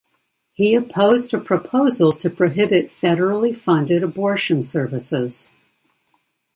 He opposed a proposal to prohibit federally funded abortion services.